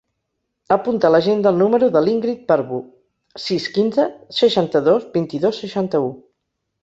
Apunta a l'agenda el número de l'Íngrid Barbu: sis, quinze, seixanta-dos, vint-i-dos, seixanta-u.